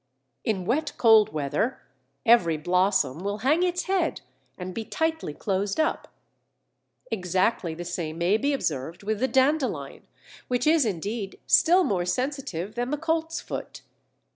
In wet cold weather every blossom will hang its head and be tightly closed up. Exactly the same may be observed with the Dandelion, which is, indeed, still more sensitive than the Coltsfoot.